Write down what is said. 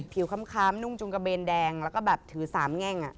ค้ำนุ่งจุงกระเบนแดงแล้วก็แบบถือสามแง่ง